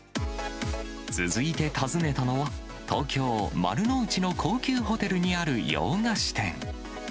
続いて訪ねたのは、東京・丸の内の高級ホテルにある洋菓子店。